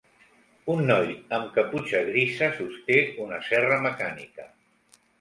Un noi amb caputxa grisa sosté una serra mecànica.